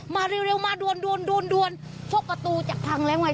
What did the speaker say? มาเร็วมาดวนพกประตูจากพังแล้วไง